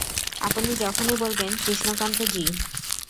আপনি যখনই বলবেন, কৃষ্ণকান্ত জি।